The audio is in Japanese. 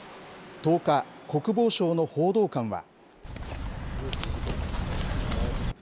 １０日、国防省の報道官は。